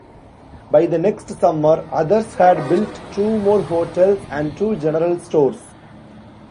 By the next summer others had built two more hotels and two general stores.